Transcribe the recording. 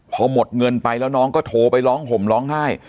พอหมดเงินไปแล้วน้องก็โทรไปร้องห่มร้องไห้